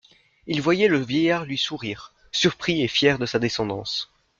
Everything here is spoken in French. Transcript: Il voyait le vieillard lui sourire, surpris et fier de sa descendance.